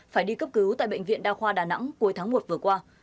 phải đi cấp cứu tại bệnh viện đa khoa đà nẵng cuối tháng một vừa qua